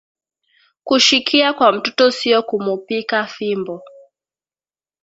Kushikia kwa mtoto sio kumupika fimbo